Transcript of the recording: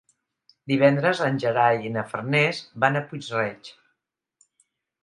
Divendres en Gerai i na Farners van a Puig-reig.